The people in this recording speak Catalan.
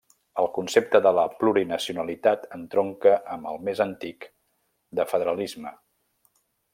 El concepte de la plurinacionalitat entronca amb el més antic de federalisme.